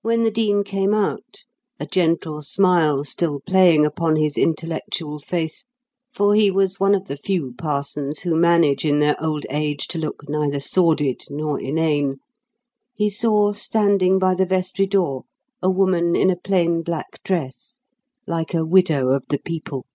When the Dean came out, a gentle smile still playing upon his intellectual face—for he was one of the few parsons who manage in their old age to look neither sordid nor inane—he saw standing by the vestry door a woman in a plain black dress, like a widow of the people.